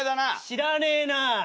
知らねえな。